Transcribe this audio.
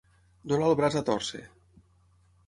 Donar el braç a tòrcer.